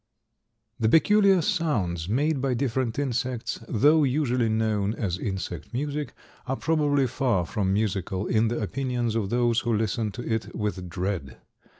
The peculiar sounds made by different insects, though usually known as insect music, are probably far from musical in the opinions of those who listen to it with dread.